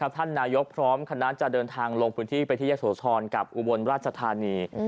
ท่านนายกพร้อมคณะจะเดินทางลงพื้นที่ไปที่ยะโสธรกับอุบลราชธานี